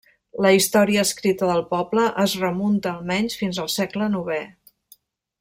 La història escrita del poble es remunta almenys fins al segle novè.